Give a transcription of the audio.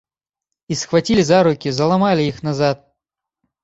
І схвацілі за рукі, заламалі іх назад.